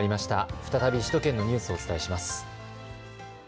再び首都圏のニュースをお伝えします。